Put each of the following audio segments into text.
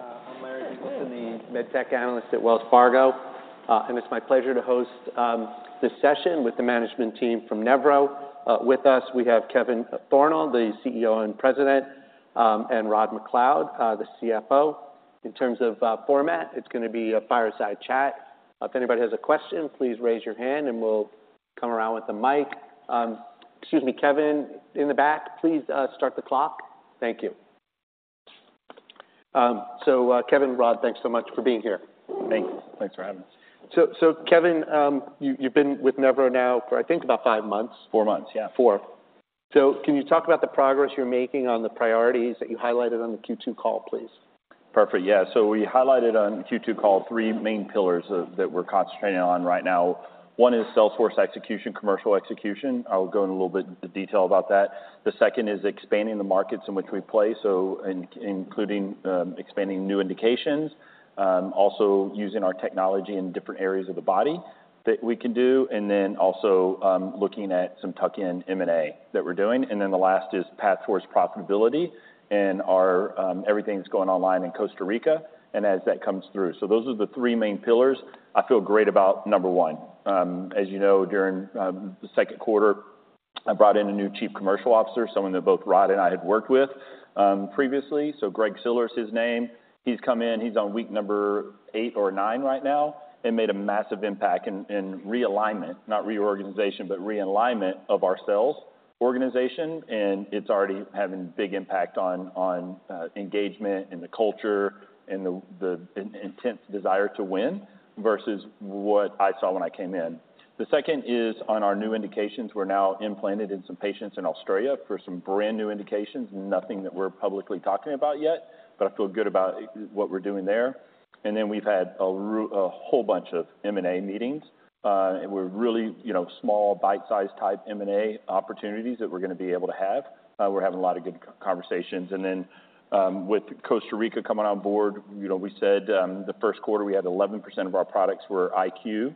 Good afternoon. I'm Larry Biegelsen, the med tech analyst at Wells Fargo. It's my pleasure to host this session with the management team from Nevro Corp. With us, we have Kevin Thornal, the CEO and President, and Rod MacLeod, the CFO. In terms of format, it's going to be a fireside chat. If anybody has a question, please raise your hand and we'll come around with the mic. Excuse me, Kevin, in the back, please start the clock. Thank you. Kevin, Rod, thanks so much for being here. Thanks. Thanks for having us. So, Kevin, you've been with Nevro now for, I think, about five months. Four months, yeah. Four. So can you talk about the progress you're making on the priorities that you highlighted on the second quarter call, please? Perfect. Yeah. So we highlighted on second quarter call, three main pillars that we're concentrating on right now. One is sales force execution, commercial execution. I'll go in a little bit into detail about that. The second is expanding the markets in which we play, so including, expanding new indications, also using our technology in different areas of the body that we can do, and then also, looking at some tuck-in M&A that we're doing. And then the last is path towards profitability and our, everything's going to be online in Costa Rica, and as that comes through. So those are the three main pillars. I feel great about number one. As you know, during, the second quarter, I brought in a new Chief Commercial Officer, someone that both Rod and I had worked with, previously. So Greg Siller is his name. He's come in, he's on week number 8 or 9 right now, and made a massive impact in realignment, not reorganization, but realignment of our sales organization, and it's already having a big impact on engagement, and the culture, and the intense desire to win versus what I saw when I came in. The second is on our new indications. We're now implanted in some patients in Australia for some brand-new indications. Nothing that we're publicly talking about yet, but I feel good about what we're doing there. And then we've had a whole bunch of M&A meetings, and we're really, you know, small, bite-sized type M&A opportunities that we're going to be able to have. We're having a lot of good conversations. With Costa Rica coming on board, you know, we said, the first quarter, we had 11% of our products were IQ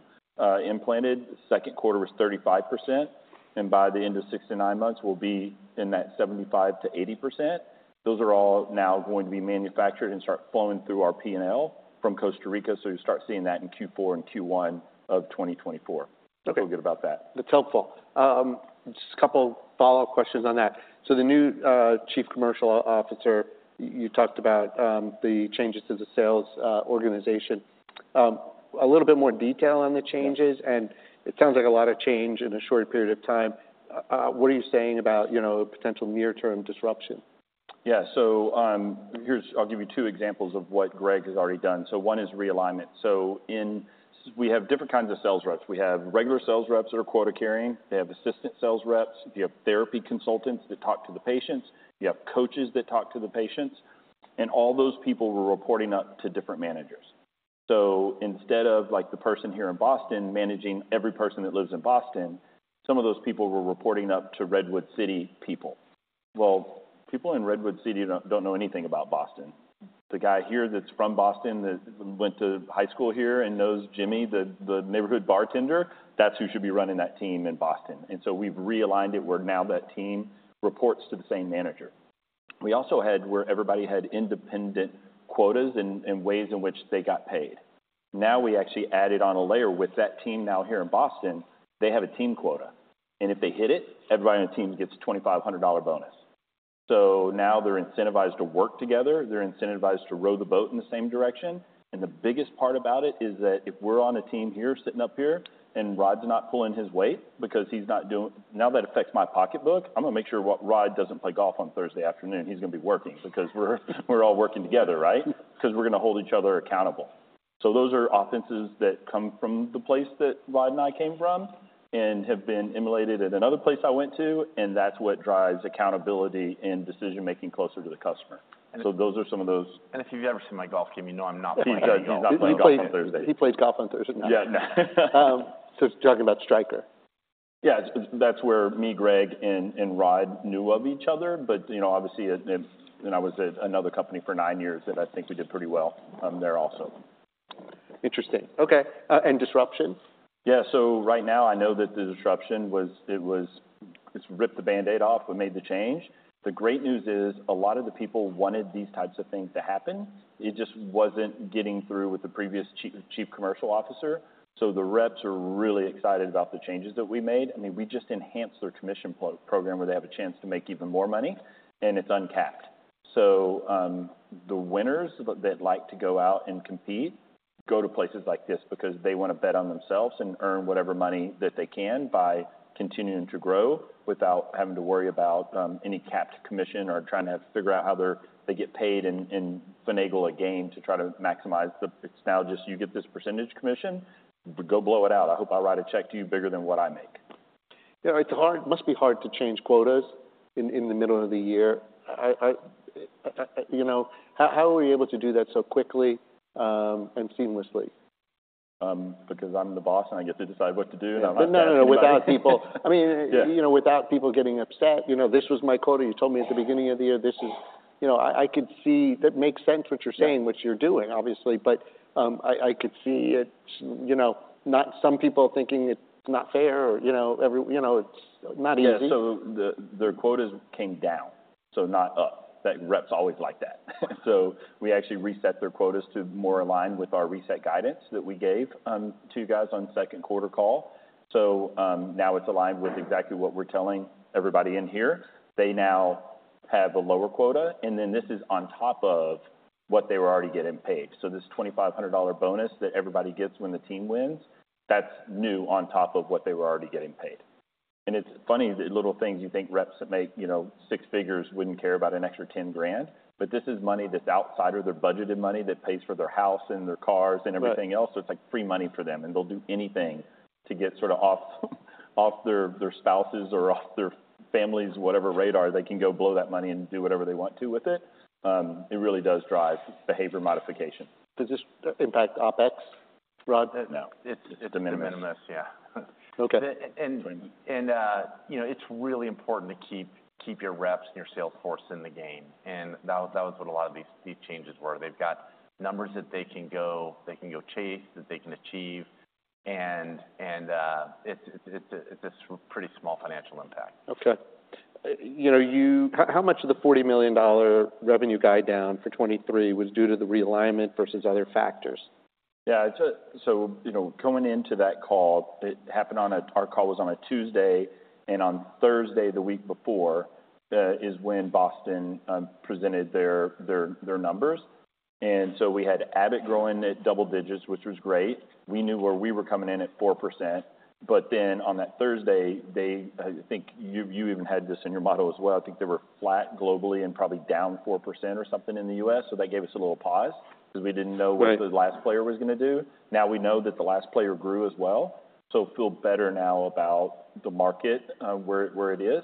implanted. The second quarter was 35%, and by the end of six to nine months, we'll be in that 75% to 80%. Those are all now going to be manufactured and start flowing through our PNL from Costa Rica, so you'll start seeing that in fourth quarter and first quarter of 2024. Okay. I feel good about that. That's helpful. Just a couple follow-up questions on that. So the new Chief Commercial Officer, you talked about, the changes to the sales organization. A little bit more detail on the changes, and it sounds like a lot of change in a short period of time. What are you saying about, you know, potential near-term disruption? Yeah. So, here's... I'll give you two examples of what Greg has already done. So one is realignment. So we have different kinds of sales reps. We have regular sales reps that are quota-carrying. We have assistant sales reps. We have therapy consultants that talk to the patients. You have coaches that talk to the patients, and all those people were reporting up to different managers. So instead of, like, the person here in Boston managing every person that lives in Boston, some of those people were reporting up to Redwood City people. Well, people in Redwood City don't know anything about Boston. The guy here that's from Boston, that went to high school here and knows Jimmy, the neighborhood bartender, that's who should be running that team in Boston. And so we've realigned it, where now that team reports to the same manager. We also had, where everybody had independent quotas and, and ways in which they got paid. Now, we actually added on a layer with that team now here in Boston. They have a team quota, and if they hit it, everybody on the team gets a $2,500 bonus. So now they're incentivized to work together. They're incentivized to row the boat in the same direction, and the biggest part about it is that if we're on a team here, sitting up here, and Rod's not pulling his weight because he's not doing... Now, that affects my pocketbook, I'm going to make sure Rod doesn't play golf on Thursday afternoon. He's going to be working because we're, we're all working together, right? Because we're going to hold each other accountable. So those are offenses that come from the place that Rod and I came from and have been emulated at another place I went to, and that's what drives accountability and decision-making closer to the customer. And if- So those are some of those- If you've ever seen my golf game, you know I'm not playing golf. He does. He's not playing golf on Thursdays. He plays golf on Thursday. Yeah. So talking about Stryker. Yeah, that's where me, Greg, and Rod knew of each other. But, you know, obviously. Then I was at another company for nine years, and I think we did pretty well there also. Interesting. Okay, and disruptions? Yeah. So right now, I know that the disruption was just rip the Band-Aid off. We made the change. The great news is, a lot of the people wanted these types of things to happen. It just wasn't getting through with the previous Chief Commercial Officer. So the reps are really excited about the changes that we made. I mean, we just enhanced their commission program, where they have a chance to make even more money, and it's uncapped. So, the winners that like to go out and compete, go to places like this because they want to bet on themselves and earn whatever money that they can by continuing to grow without having to worry about any capped commission or trying to figure out how they get paid and finagle a game to try to maximize the... It's now just, you get this percentage commission, but go blow it out. I hope I write a check to you bigger than what I make. Yeah, it's hard. It must be hard to change quotas in the middle of the year. You know, how were you able to do that so quickly and seamlessly? Because I'm the boss, and I get to decide what to do, and I- No, no, without people- Yeah. I mean, you know, without people getting upset. "You know, this was my quota. You told me at the beginning of the year, this is..." You know, I could see that makes sense, what you're saying. Yeah what you're doing, obviously. But, I could see it, you know, not some people thinking it's not fair or, you know, it's not easy. Yeah. So their quotas came down... so not up, that reps always like that. So we actually reset their quotas to more align with our reset guidance that we gave to you guys on second quarter call. So now it's aligned with exactly what we're telling everybody in here. They now have a lower quota, and then this is on top of what they were already getting paid. So this $2,500 bonus that everybody gets when the team wins, that's new on top of what they were already getting paid. And it's funny, the little things you think reps that make, you know, six figures wouldn't care about an extra $10,000, but this is money that's outside of their budgeted money, that pays for their house and their cars and everything else. Right. So it's like free money for them, and they'll do anything to get sort of off their spouses or off their families' whatever radar. They can go blow that money and do whatever they want to with it. It really does drive behavior modification. Does this impact OpEx, Rod? No, it's- De minimis. De minimis, yeah. Okay. you know, it's really important to keep, keep your reps and your sales force in the game, and that was, that was what a lot of these, these changes were. They've got numbers that they can go - they can go chase, that they can achieve, and it's a pretty small financial impact. Okay. You know, how much of the $40 million revenue guide down for 2023 was due to the realignment versus other factors? Yeah, so, so, you know, going into that call, it happened on a—our call was on a Tuesday, and on Thursday, the week before, is when Boston presented their numbers. And so we had Abbott growing at double digits, which was great. We knew where we were coming in at 4%. But then on that Thursday, they... I think you even had this in your model as well. I think they were flat globally and probably down 4% or something in the U.S. So that gave us a little pause because we didn't know- Right -what the last player was going to do. Now, we know that the last player grew as well, so feel better now about the market, where it is.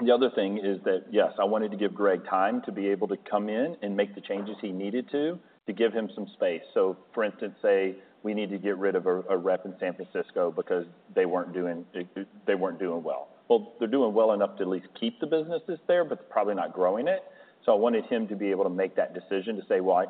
The other thing is that, yes, I wanted to give Greg Siller time to be able to come in and make the changes he needed to, to give him some space. So for instance, say, we need to get rid of a rep in San Francisco, California because they weren't doing well. Well, they're doing well enough to at least keep the businesses there, but probably not growing it. So I wanted him to be able to make that decision to say: "Well,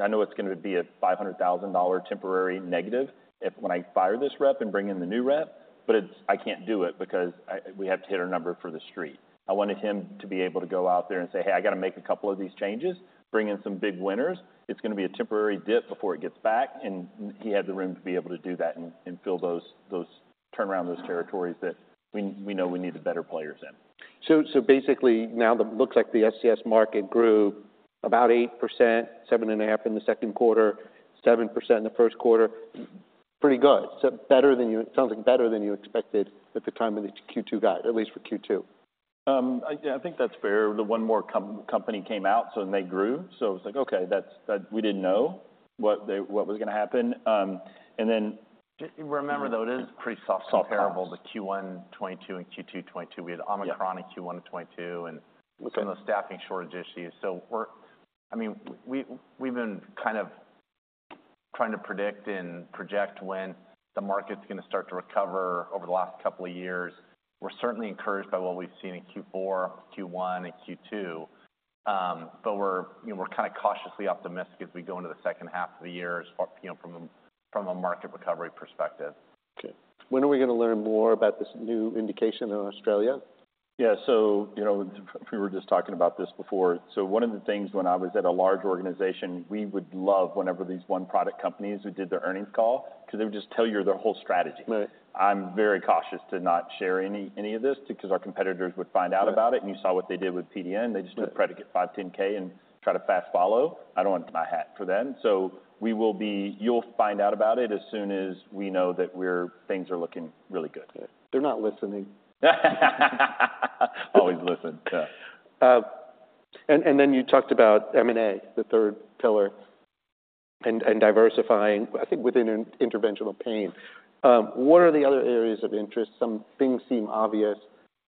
I know it's going to be a $500,000 temporary negative if when I fire this rep and bring in the new rep, but it's—I can't do it because I—we have to hit our number for the street." I wanted him to be able to go out there and say, "Hey, I got to make a couple of these changes, bring in some big winners. It's going to be a temporary dip before it gets back." And he had the room to be able to do that and, and fill those, those—turnaround those territories that we, we know we needed better players in. So, so basically, now it looks like the SCS market grew about 8%, 7.5% in the second quarter, 7% in the first quarter. Pretty good. So better than you-- It sounds like better than you expected at the time of the second quarter guide, at least for second quarter. Yeah, I think that's fair. One more company came out, so and they grew. So it's like, okay, that's that. We didn't know what was going to happen. And then- Remember, though, it is pretty soft comparable- Soft. -the Q1 2022 and Q2 2022. We had Omicron- Yeah Q1 of 2022, and Okay Some of the staffing shortage issues. So we're, I mean, we've been kind of trying to predict and project when the market's going to start to recover over the last couple of years. We're certainly encouraged by what we've seen in Q4, Q1, and Q2, but we're, you know, we're kind of cautiously optimistic as we go into the second half of the year as far, you know, from a market recovery perspective. Okay. When are we going to learn more about this new indication in Australia? Yeah. So, you know, we were just talking about this before. So one of the things when I was at a large organization, we would love whenever these one-product companies who did their earnings call because they would just tell you their whole strategy. Right. I'm very cautious to not share any of this because our competitors would find out about it. Right. You saw what they did with painful diabetic neuropathy or PDN. Right. They just did a predicate 510(k) and tried to fast follow. I don't want my hat for them. So we will be. You'll find out about it as soon as we know things are looking really good. They're not listening. Always listen, yeah. And then you talked about M&A, the third pillar, and diversifying, I think within interventional pain. What are the other areas of interest? Some things seem obvious,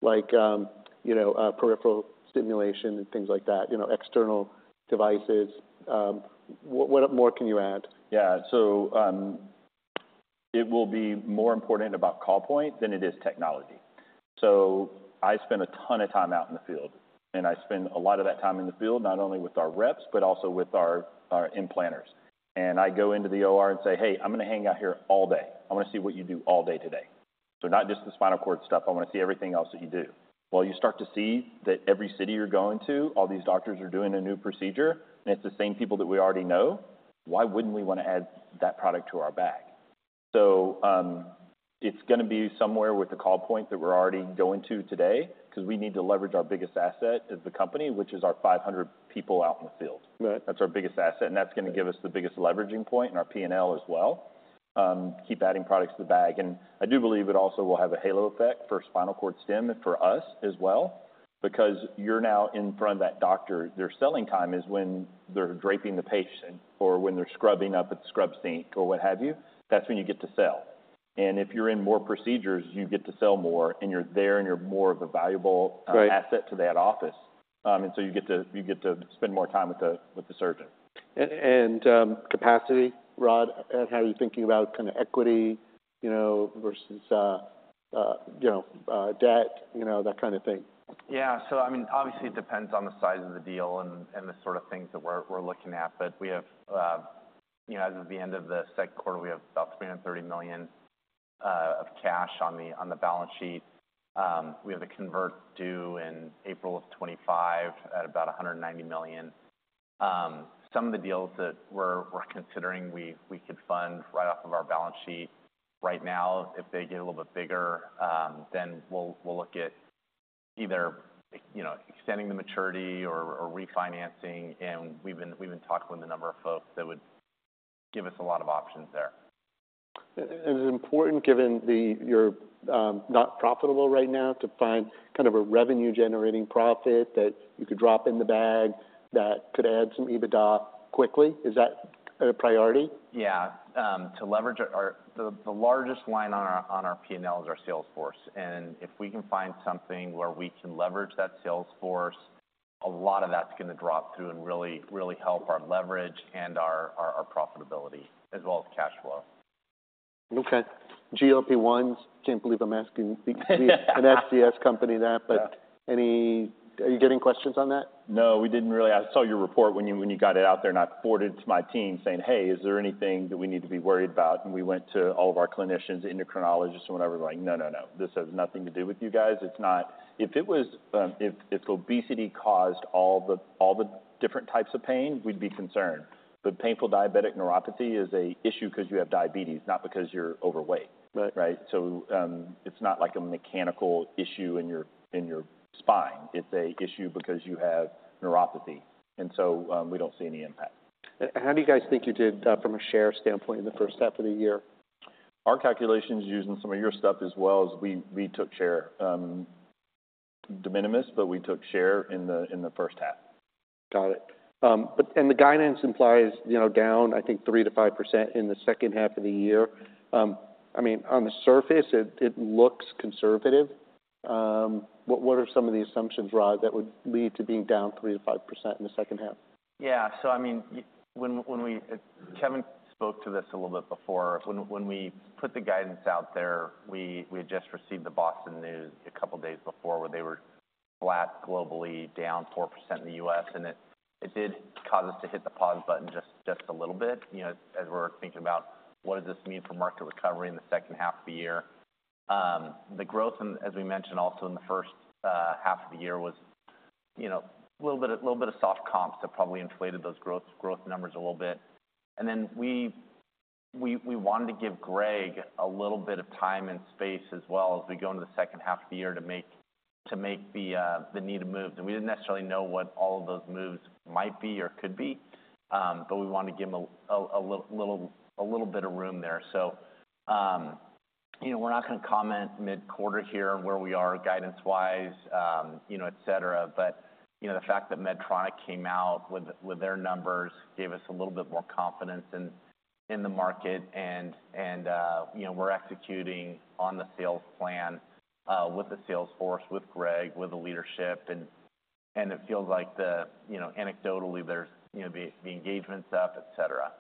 like, you know, peripheral stimulation and things like that, you know, external devices. What more can you add? Yeah. So, it will be more important about call point than it is technology. So I spend a ton of time out in the field, and I spend a lot of that time in the field, not only with our reps, but also with our, our implanters. And I go into the operating room or OR and say, "Hey, I'm going to hang out here all day. I want to see what you do all day today. So not just the spinal cord stuff. I want to see everything else that you do." Well, you start to see that every city you're going to, all these doctors are doing a new procedure, and it's the same people that we already know. Why wouldn't we want to add that product to our bag? It's going to be somewhere with the call point that we're already going to today because we need to leverage our biggest asset of the company, which is our 500 people out in the field. Right. That's our biggest asset, and that's going to give us the biggest leveraging point in our PNL as well. Keep adding products to the bag. And I do believe it also will have a halo effect for spinal cord stim for us as well, because you're now in front of that doctor. Their selling time is when they're draping the patient or when they're scrubbing up at the scrub sink or what have you. That's when you get to sell. And if you're in more procedures, you get to sell more, and you're there, and you're more of a valuable- Right -asset to that office. And so you get to spend more time with the surgeon. Capacity, Rod, how are you thinking about kind of equity, you know, versus, you know, debt, you know, that kind of thing? Yeah. So I mean, obviously, it depends on the size of the deal and the sort of things that we're looking at. But we have, you know, as of the end of the second quarter, we have about $330 million of cash on the balance sheet. We have a convert due in April 2025 at about $190 million. Some of the deals that we're considering, we could fund right off of our balance sheet right now. If they get a little bit bigger, then we'll look at either, you know, extending the maturity or refinancing, and we've been talking with a number of folks that would give us a lot of options there. Is it important, given you're not profitable right now, to find kind of a revenue-generating profit that you could drop in the bag that could add some EBITDA quickly? Is that a priority? Yeah. To leverage our, the largest line on our P&L is our sales force, and if we can find something where we can leverage that sales force, a lot of that's going to drop through and really, really help our leverage and our profitability as well as cash flow. Okay. GLP-1, can't believe I'm asking an SCS company that. Yeah. But are you getting questions on that? No, we didn't really. I saw your report when you, when you got it out there, and I forwarded it to my team saying, "Hey, is there anything that we need to be worried about?" And we went to all of our clinicians, endocrinologists, and whatever, like, "No, no, no. This has nothing to do with you guys. It's not..." If it was, if, if obesity caused all the, all the different types of pain, we'd be concerned. But painful diabetic neuropathy is a issue because you have diabetes, not because you're overweight. Right. Right? So, it's not like a mechanical issue in your, in your spine. It's an issue because you have neuropathy, and so, we don't see any impact. How do you guys think you did, from a share standpoint in the first half of the year? Our calculations, using some of your stuff as well, is we took share. De minimis, but we took share in the first half. Got it. But and the guidance implies, you know, down, I think, 3% to 5% in the second half of the year. I mean, on the surface, it, it looks conservative. What, what are some of the assumptions, Rod, that would lead to being down 3% to 5% in the second half? Yeah. So I mean, when, when we... Kevin spoke to this a little bit before. When, when we put the guidance out there, we, we had just received the Boston news a couple days before, where they were flat globally, down 4% in the U.S., and it, it did cause us to hit the pause button just, just a little bit, you know, as we're thinking about what does this mean for market recovery in the second half of the year. The growth, and as we mentioned also in the first half of the year, was, you know, a little bit, a little bit of soft comps that probably inflated those growth, growth numbers a little bit. And then we wanted to give Greg a little bit of time and space as well, as we go into the second half of the year to make the needed moves. And we didn't necessarily know what all of those moves might be or could be, but we want to give him a little bit of room there. So, you know, we're not going to comment mid-quarter here, where we are guidance-wise, you know, et cetera. You know, the fact that Medtronic came out with their numbers gave us a little bit more confidence in the market and, you know, we're executing on the sales plan with the sales force, with Greg, with the leadership, and it feels like, you know, anecdotally, there's the engagement's up, et cetera.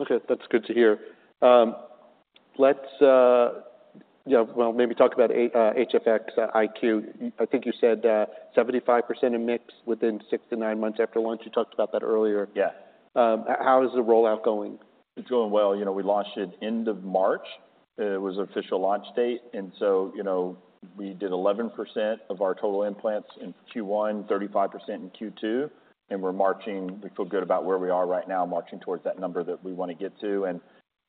Okay. That's good to hear. Let's, yeah, well, maybe talk about HFX iQ. I think you said 75% in mix within six to nine months after launch. You talked about that earlier. Yeah. How is the rollout going? It's going well. You know, we launched it end of March. It was official launch date, and so, you know, we did 11% of our total implants in first quarter, 35% in second quarter, and we're marching. We feel good about where we are right now, marching towards that number that we want to get to. And,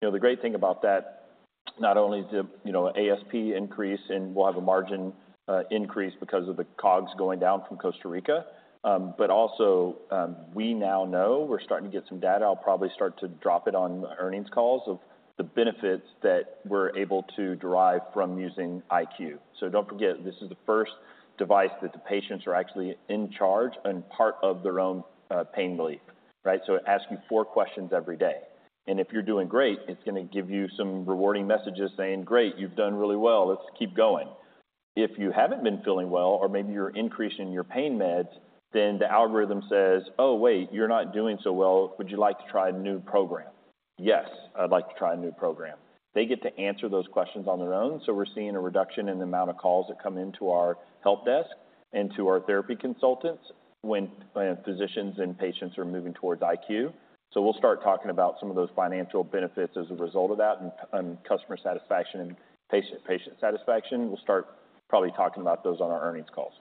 you know, the great thing about that, not only the, you know, ASP increase, and we'll have a margin increase because of the COGS going down from Costa Rica, but also, we now know we're starting to get some data. I'll probably start to drop it on earnings calls of the benefits that we're able to derive from using IQ. So don't forget, this is the first device that the patients are actually in charge and part of their own pain relief, right? So it asks you four questions every day, and if you're doing great, it's going to give you some rewarding messages saying, "Great, you've done really well. Let's keep going." If you haven't been feeling well or maybe you're increasing your pain meds, then the algorithm says, "Oh, wait, you're not doing so well. Would you like to try a new program?" "Yes, I'd like to try a new program." They get to answer those questions on their own, so we're seeing a reduction in the amount of calls that come into our help desk and to our therapy consultants when physicians and patients are moving towards IQ. So we'll start talking about some of those financial benefits as a result of that, and customer satisfaction, patient satisfaction. We'll start probably talking about those on our earnings calls.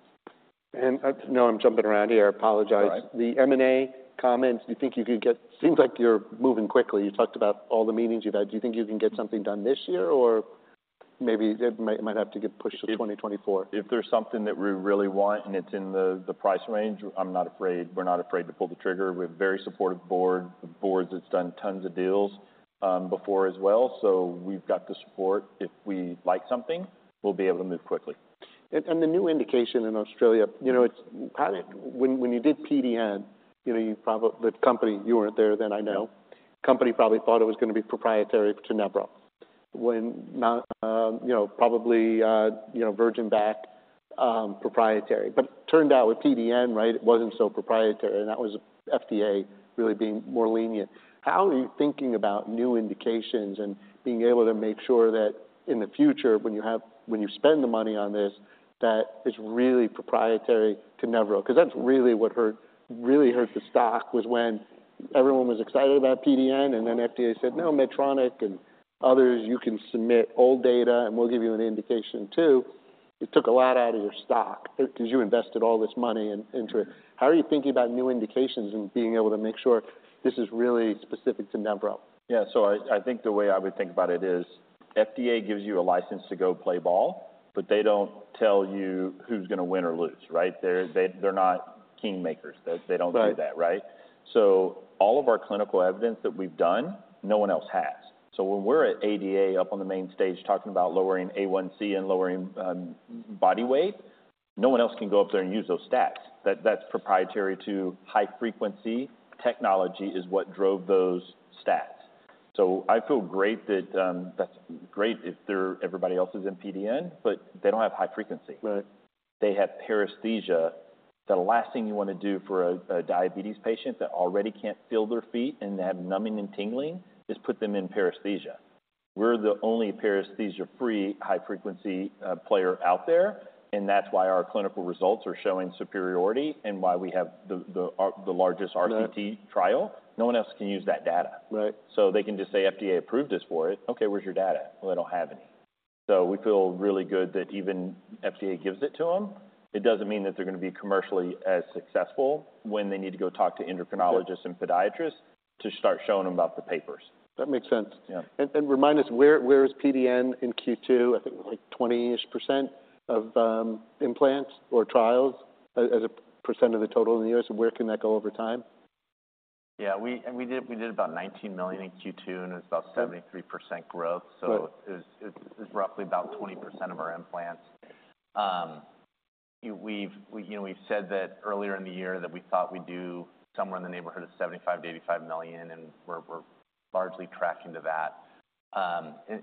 I know I'm jumping around here. I apologize. All right. The M&A comments, do you think you could get, seems like you're moving quickly. You talked about all the meetings you've had. Do you think you can get something done this year, or maybe it might, might have to get pushed to 2024? If there's something that we really want and it's in the price range, I'm not afraid. We're not afraid to pull the trigger. We have a very supportive board, a board that's done tons of deals before as well, so we've got the support. If we like something, we'll be able to move quickly. And the new indication in Australia, you know, it's kind of—when you did PDN, you know, you probably... The company, you weren't there then, I know. Company probably thought it was going to be proprietary to Nevro when not, you know, probably, you know, virgin back, proprietary, but turned out with PDN, right, it wasn't so proprietary, and that was FDA really being more lenient. How are you thinking about new indications and being able to make sure that in the future, when you have—when you spend the money on this, that it's really proprietary to Nevro? Because that's really what hurt—really hurt the stock, was when you-... Everyone was excited about PDN, and then FDA said, "No, Medtronic and others, you can submit old data, and we'll give you an indication, too." It took a lot out of your stock because you invested all this money into it. How are you thinking about new indications and being able to make sure this is really specific to Nevro? Yeah, so I think the way I would think about it is FDA gives you a license to go play ball, but they don't tell you who's going to win or lose, right? They're not kingmakers. Right. They don't do that, right? So all of our clinical evidence that we've done, no one else has. So when we're at ADA, up on the main stage, talking about lowering A1C and lowering body weight, no one else can go up there and use those stats. That's proprietary to high frequency. Technology is what drove those stats. So I feel great that. That's great if they're, everybody else is in PDN, but they don't have high frequency. Right. They have paresthesia. The last thing you want to do for a diabetes patient that already can't feel their feet and they have numbing and tingling is put them in paresthesia. We're the only paresthesia-free, high-frequency player out there, and that's why our clinical results are showing superiority and why we have the largest- Right... RCT trial. No one else can use that data. Right. So they can just say, "FDA approved us for it." "Okay, where's your data?" "Well, I don't have any." So we feel really good that even FDA gives it to them. It doesn't mean that they're going to be commercially as successful when they need to go talk to endocrinologists- Sure and podiatrists, to start showing them about the papers. That makes sense. Yeah. Remind us, where is PDN in second quarter? I think, like, 20-ish% of implants or trials as a percent of the total in the U.S. And where can that go over time? Yeah, we and we did, we did about $19 million in second quarter, and it's about- Okay -73% growth. Right. So it's roughly about 20% of our implants. We've, you know, we've said that earlier in the year that we thought we'd do somewhere in the neighborhood of $75 million to $85 million, and we're largely tracking to that.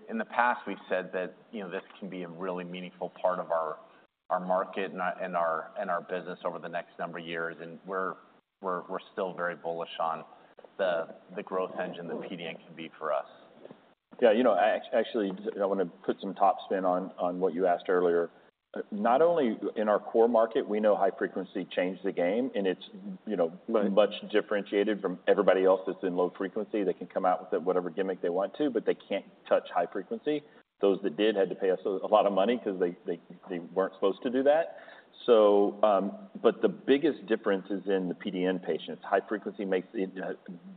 In the past, we've said that, you know, this can be a really meaningful part of our market and our business over the next number of years, and we're still very bullish on the growth engine that PDN can be for us. Yeah, you know, actually, I want to put some top spin on what you asked earlier. Not only in our core market, we know high frequency changed the game, and it's, you know- Right... much differentiated from everybody else that's in low frequency. They can come out with whatever gimmick they want to, but they can't touch high frequency. Those that did had to pay us a lot of money because they weren't supposed to do that. So, but the biggest difference is in the PDN patients. High frequency makes the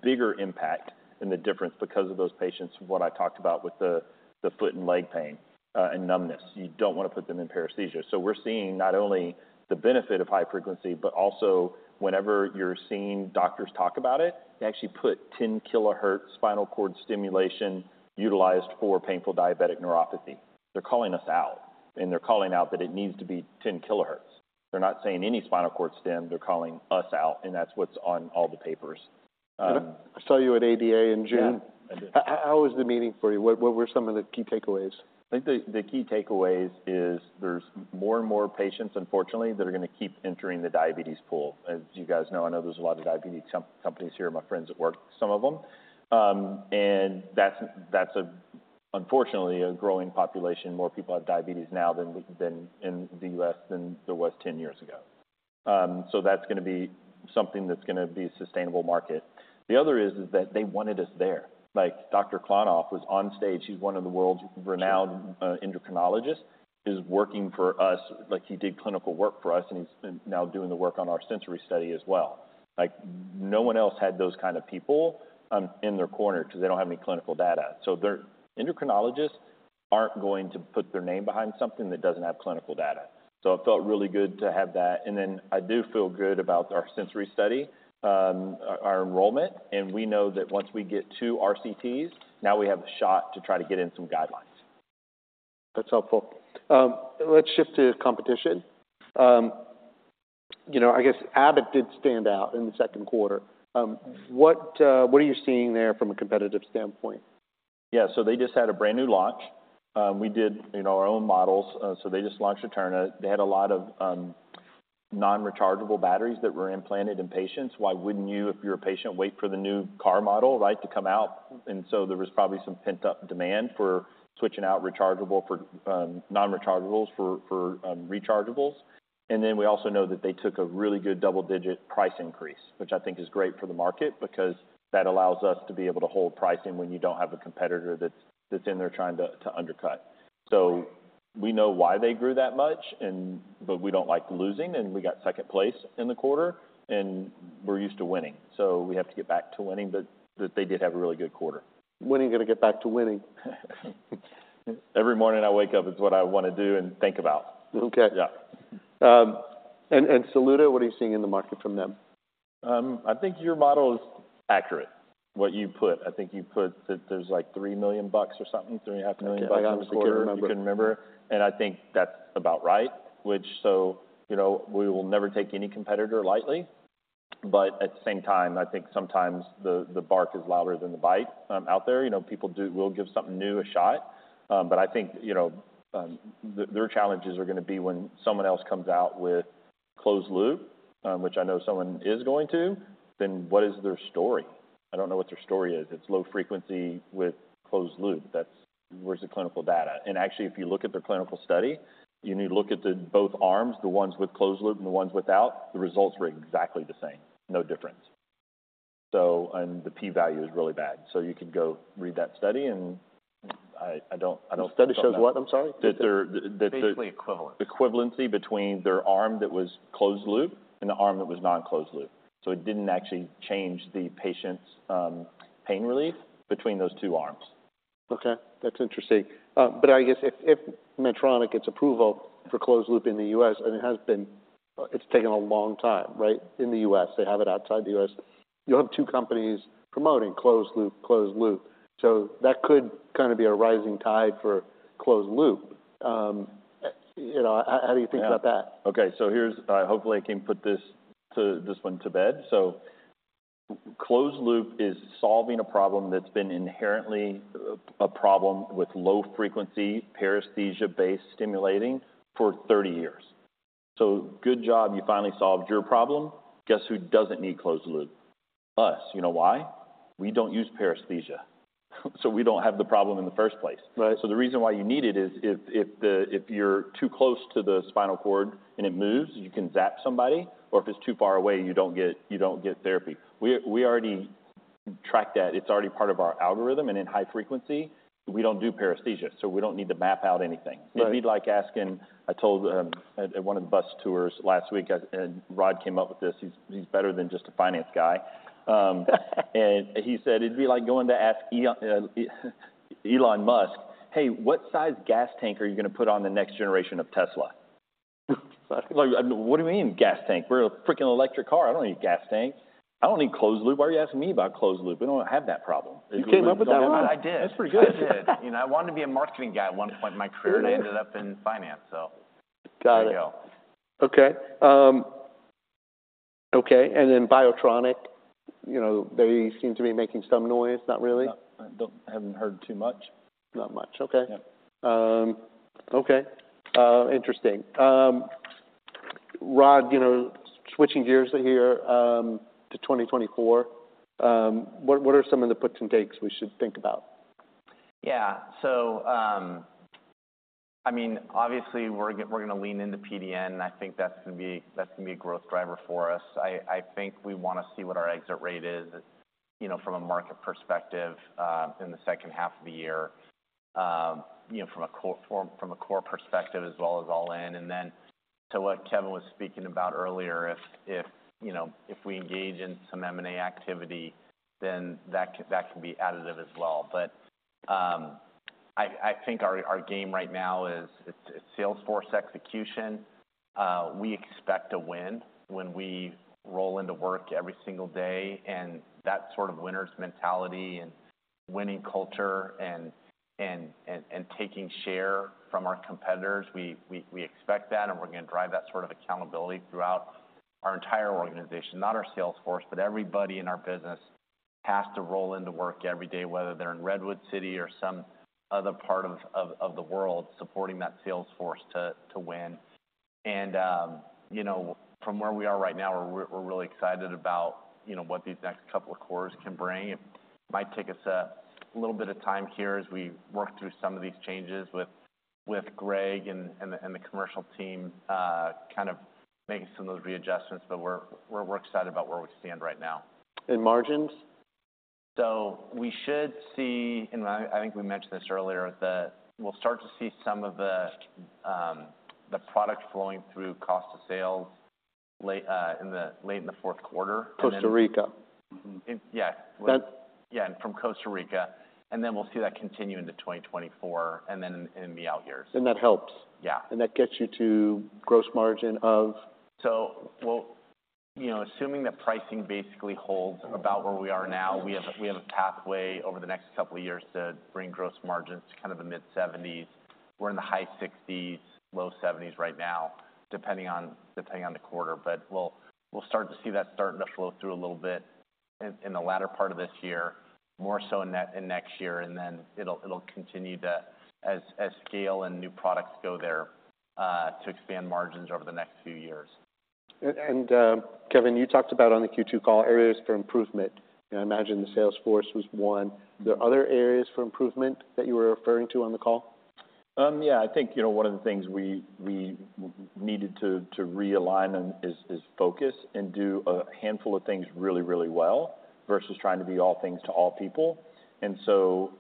bigger impact in the difference because of those patients, what I talked about with the foot and leg pain and numbness. You don't want to put them in paresthesia. So we're seeing not only the benefit of high frequency, but also whenever you're seeing doctors talk about it, they actually put 10 kilohertz spinal cord stimulation utilized for painful diabetic neuropathy. They're calling us out, and they're calling out that it needs to be 10 kilohertz. They're not saying any spinal cord stim, they're calling us out, and that's what's on all the papers. I saw you at ADA in June. Yeah, I did. How was the meeting for you? What, what were some of the key takeaways? I think the key takeaways is there's more and more patients, unfortunately, that are going to keep entering the diabetes pool. As you guys know, I know there's a lot of diabetes companies here, my friends that work, some of them. And that's unfortunately a growing population. More people have diabetes now than in the U.S., than there was 10 years ago. So that's going to be something that's going to be a sustainable market. The other is that they wanted us there. Like, Dr. Klonoff was on stage. He's one of the world's renowned endocrinologists. He's working for us. Like, he did clinical work for us, and he's now doing the work on our sensory study as well. Like, no one else had those kind of people in their corner because they don't have any clinical data. So their endocrinologists aren't going to put their name behind something that doesn't have clinical data. So it felt really good to have that, and then I do feel good about our sensory study, our enrollment, and we know that once we get two RCTs, now we have a shot to try to get in some guidelines. That's helpful. Let's shift to competition. You know, I guess Abbott did stand out in the second quarter. What are you seeing there from a competitive standpoint? Yeah, so they just had a brand-new launch. We did, you know, our own models. So they just launched Eterna. They had a lot of non-rechargeable batteries that were implanted in patients. Why wouldn't you, if you're a patient, wait for the new car model, right, to come out? And so there was probably some pent-up demand for switching out rechargeables for non-rechargeables for rechargeables. And then we also know that they took a really good double-digit price increase, which I think is great for the market because that allows us to be able to hold pricing when you don't have a competitor that's in there trying to undercut. So we know why they grew that much, and, but we don't like losing, and we got second place in the quarter, and we're used to winning. We have to get back to winning, but they did have a really good quarter. When are you going to get back to winning? Every morning I wake up, it's what I want to do and think about. Okay. Yeah. And Saluda, what are you seeing in the market from them? I think your model is accurate, what you put. I think you put that there's, like, $3 million or something, $3.5 million a quarter. I can't remember. You can't remember? And I think that's about right. You know, we will never take any competitor lightly. But at the same time, I think sometimes the bark is louder than the bite out there. You know, people will give something new a shot, but I think, you know, their challenges are going to be when someone else comes out with closed loop, which I know someone is going to, then what is their story? I don't know what their story is. It's low frequency with closed loop. That's—Where's the clinical data? And actually, if you look at their clinical study, you need to look at the both arms, the ones with closed loop and the ones without. The results were exactly the same, no different, so and the P value is really bad. You could go read that study, and I don't- The study shows what, I'm sorry? That the- Basically equivalent. Equivalency between their arm that was closed loop and the arm that was not closed loop. So it didn't actually change the patient's pain relief between those two arms. Okay, that's interesting. But I guess if Medtronic gets approval for closed loop in the U.S., and it has been, it's taken a long time, right? In the U.S., they have it outside the U.S. You'll have two companies promoting closed loop, closed loop, so that could kind of be a rising tide for closed loop. You know, how do you think about that? Okay, so here's hopefully, I can put this one to bed. So closed-loop is solving a problem that's been inherently a problem with low-frequency, paresthesia-based stimulation for 30 years. So good job, you finally solved your problem. Guess who doesn't need closed-loop? Us. You know why? We don't use paresthesia, so we don't have the problem in the first place. Right. So the reason why you need it is if you're too close to the spinal cord and it moves, you can zap somebody, or if it's too far away, you don't get therapy. We already track that. It's already part of our algorithm, and in high frequency, we don't do paresthesia, so we don't need to map out anything. Right. It'd be like asking... I told at one of the bus tours last week, and Rod came up with this. He's better than just a finance guy. And he said: "It'd be like going to ask Elon Musk, 'Hey, what size gas tank are you going to put on the next generation of Tesla?'" Like, what do you mean, gas tank? We're a freaking electric car. I don't need a gas tank. I don't need closed loop. Why are you asking me about closed loop? We don't have that problem. You came up with that one? I did. That's pretty good. I did. You know, I wanted to be a marketing guy at one point in my career- You did... and I ended up in finance, so- Got it There you go. Okay. Okay, and then Medtronic, you know, they seem to be making some noise, not really? No, I don't-- I haven't heard too much. Not much, okay. Yeah. Okay. Interesting. Rod, you know, switching gears here to 2024, what are some of the puts and takes we should think about? Yeah. So, I mean, obviously, we're going to lean into PDN, and I think that's going to be a growth driver for us. I think we want to see what our exit rate is, you know, from a market perspective, in the second half of the year. You know, from a core perspective as well as all in. And then to what Kevin was speaking about earlier, if you know, if we engage in some M&A activity, then that can be additive as well. But, I think our game right now is sales force execution. We expect to win when we roll into work every single day, and that sort of winner's mentality and winning culture and taking share from our competitors, we expect that, and we're going to drive that sort of accountability throughout our entire organization. Not our salesforce, but everybody in our business has to roll into work every day, whether they're in Redwood City or some other part of the world, supporting that sales force to win. And, you know, from where we are right now, we're really excited about, you know, what these next couple of quarters can bring. It might take us a little bit of time here as we work through some of these changes with Greg and the commercial team, kind of making some of those readjustments, but we're excited about where we stand right now. And margins? So we should see, and I think we mentioned this earlier, that we'll start to see some of the product flowing through cost of sales late in the fourth quarter. Costa Rica? Mm-hmm. Yeah. That- Yeah, from Costa Rica, and then we'll see that continue into 2024 and then in the out years. That helps? Yeah. That gets you to gross margin of? So, well, you know, assuming that pricing basically holds about where we are now, we have a, we have a pathway over the next couple of years to bring gross margins to kind of the mid-seventies. We're in the high sixties, low seventies right now, depending on, depending on the quarter. But we'll, we'll start to see that starting to flow through a little bit in, in the latter part of this year, more so in net in next year, and then it'll, it'll continue to, as, as scale and new products go there, to expand margins over the next few years. Kevin, you talked about, on the second quarter call, areas for improvement, and I imagine the sales force was one. Mm-hmm. There are other areas for improvement that you were referring to on the call? Yeah, I think, you know, one of the things we needed to realign and focus and do a handful of things really, really well versus trying to be all things to all people. And so,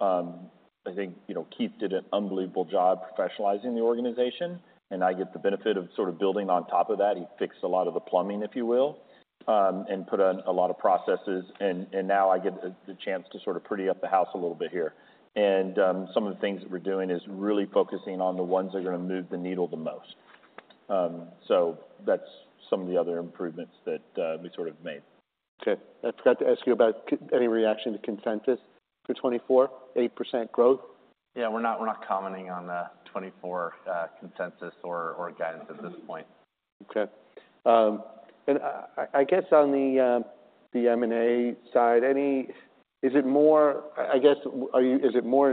I think, you know, Keith did an unbelievable job professionalizing the organization, and I get the benefit of sort of building on top of that. He fixed a lot of the plumbing, if you will, and put in a lot of processes, and now I get the chance to sort of pretty up the house a little bit here. And some of the things that we're doing is really focusing on the ones that are going to move the needle the most. So that's some of the other improvements that we sort of made. Okay. I forgot to ask you about any reaction to consensus for 2024, 8% growth? Yeah, we're not, we're not commenting on the 2024 consensus or, or guidance at this point. Okay. And I guess on the M&A side, is it more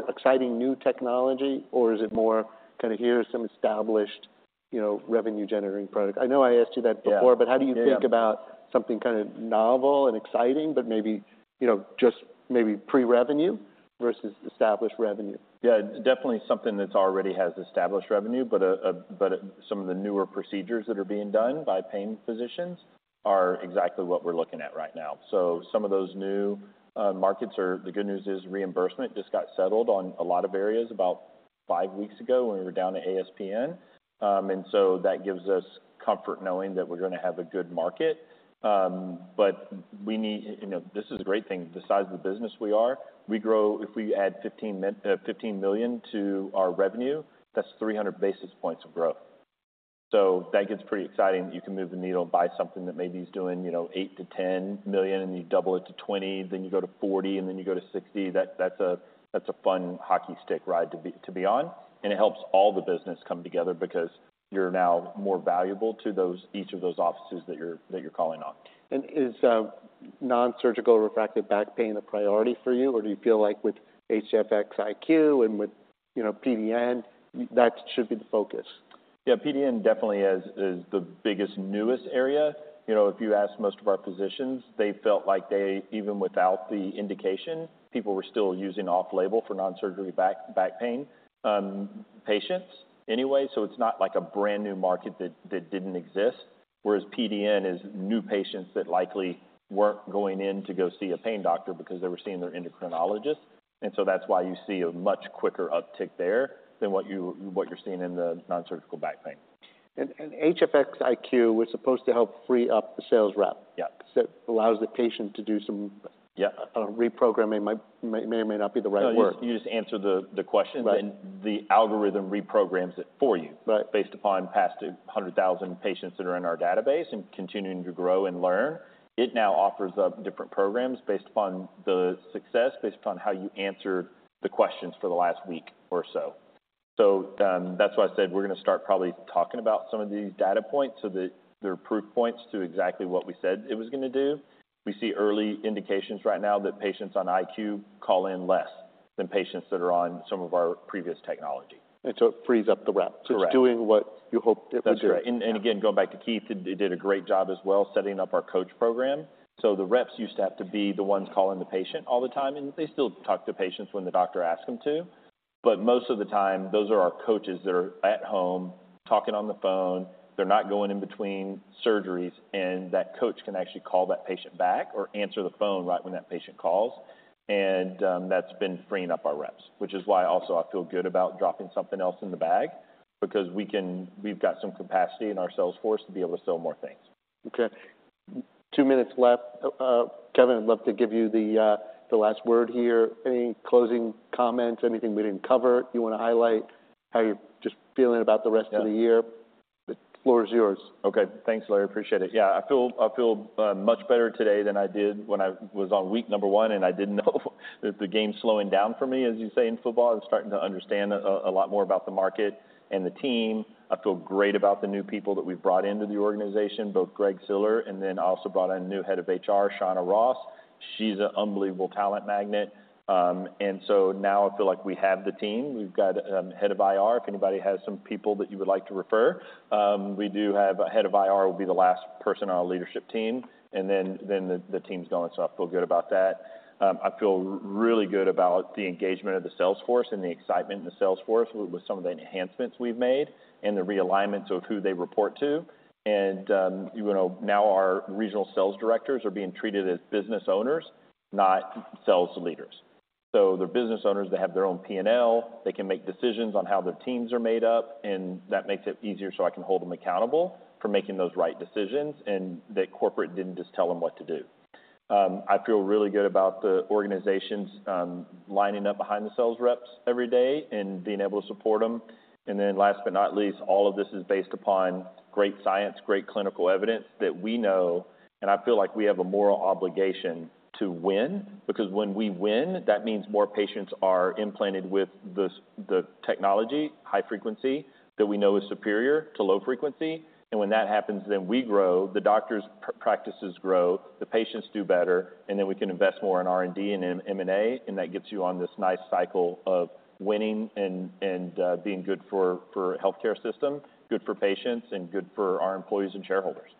exciting new technology, or is it more kind of here are some established, you know, revenue-generating product? I know I asked you that before- Yeah. - but how do you think about something kind of novel and exciting, but maybe, you know, just maybe pre-revenue versus established revenue? Yeah, definitely something that's already has established revenue, but some of the newer procedures that are being done by pain physicians are exactly what we're looking at right now. Some of those new markets are-- the good news is reimbursement just got settled on a lot of areas about five weeks ago when we were down at ASPN. That gives us comfort knowing that we're going to have a good market. We need... You know, this is a great thing. The size of the business we are, we grow-- If we add $15 million to our revenue, that's 300 basis points of growth. So that gets pretty exciting that you can move the needle by something that maybe is doing, you know, $8 million to $10 million, and you double it to $20 million, then you go to $40 million, and then you go to $60 million. That, that's a, that's a fun hockey stick ride to be, to be on. And it helps all the business come together because you're now more valuable to those, each of those offices that you're, that you're calling on. Is nonsurgical refractory back pain a priority for you, or do you feel like with HFX iQ and with, you know, PDN, that should be the focus? Yeah, PDN definitely is the biggest, newest area. You know, if you ask most of our physicians, they felt like they, even without the indication, people were still using off-label for non-surgical back, back pain, patients anyway, so it's not like a brand-new market that didn't exist. Whereas PDN is new patients that likely weren't going in to go see a pain doctor because they were seeing their endocrinologist, and so that's why you see a much quicker uptick there than what you're seeing in the non-surgical back pain. HFX iQ was supposed to help free up the sales rep. Yeah. 'Cause it allows the patient to do some- Yeah Reprogramming might, may or may not be the right word. No, you just answer the questions- Right and the algorithm reprograms it for you. Right - based upon past 100,000 patients that are in our database and continuing to grow and learn. It now offers up different programs based upon the success, based upon how you answered the questions for the last week or so. So, that's why I said we're going to start probably talking about some of these data points so that they're proof points to exactly what we said it was going to do. We see early indications right now that patients on iQ call in less than patients that are on some of our previous technology. And so it frees up the rep- Correct. Just doing what you hoped it would do. That's right. Yeah. And again, going back to Keith, they did a great job as well, setting up our coach program. So the reps used to have to be the ones calling the patient all the time, and they still talk to patients when the doctor asks them to. But most of the time, those are our coaches that are at home, talking on the phone. They're not going in between surgeries, and that coach can actually call that patient back or answer the phone right when that patient calls. And, that's been freeing up our reps, which is why also I feel good about dropping something else in the bag, because we can, we've got some capacity in our sales force to be able to sell more things. Okay. Two minutes left. Kevin, I'd love to give you the last word here. Any closing comments, anything we didn't cover, you want to highlight, how you're just feeling about the rest of the year? Yeah. The floor is yours. Okay. Thanks, Larry. I appreciate it. Yeah, I feel, I feel much better today than I did when I was on week number 1, and I didn't know that the game's slowing down for me, as you say in football, and starting to understand a lot more about the market and the team. I feel great about the new people that we've brought into the organization, both Greg Siller, and then I also brought in a new head of HR, Shauna Ross. She's an unbelievable talent magnet. And so now I feel like we have the team. We've got a head of IR. If anybody has some people that you would like to refer, we do have a head of IR, will be the last person on our leadership team, and then the team's done. So I feel good about that. I feel really good about the engagement of the sales force and the excitement in the sales force, with some of the enhancements we've made and the realignment of who they report to. You know, now our regional sales directors are being treated as business owners, not sales leaders. They're business owners, they have their own P&L. They can make decisions on how their teams are made up, and that makes it easier so I can hold them accountable for making those right decisions, and that corporate didn't just tell them what to do. I feel really good about the organizations lining up behind the sales reps every day and being able to support them. And then last but not least, all of this is based upon great science, great clinical evidence that we know, and I feel like we have a moral obligation to win, because when we win, that means more patients are implanted with the technology, high frequency, that we know is superior to low frequency. And when that happens, then we grow, the doctors' practices grow, the patients do better, and then we can invest more in R&D and in M&A, and that gets you on this nice cycle of winning and being good for healthcare system, good for patients, and good for our employees and shareholders.